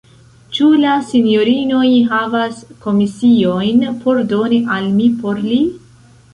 Ĉu la sinjorinoj havas komisiojn por doni al mi por li?